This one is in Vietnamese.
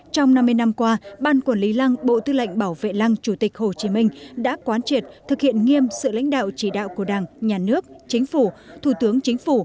trong năm mươi năm qua ban quản lý lăng bộ tư lệnh bảo vệ lăng chủ tịch hồ chí minh đã quán triệt thực hiện nghiêm sự lãnh đạo chỉ đạo của đảng nhà nước chính phủ thủ tướng chính phủ